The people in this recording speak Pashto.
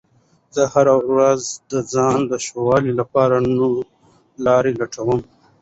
زه هره ورځ د ځان د ښه والي لپاره نوې لارې لټوم